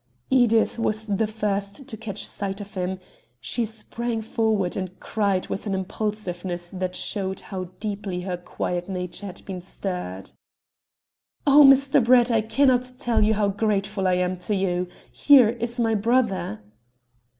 Edith was the first to catch sight of him. She sprang forward and cried with an impulsiveness that showed how deeply her quiet nature had been stirred. "Oh, Mr. Brett, I cannot tell you how grateful I am to you! Here is my brother!"